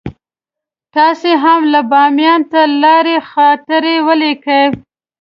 تاسې هم که بامیان ته لاړئ خاطرې ولیکئ.